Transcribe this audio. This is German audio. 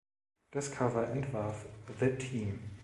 Das Cover entwarf The Team.